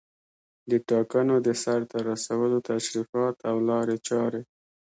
د ټاکنو د سرته رسولو تشریفات او لارې چارې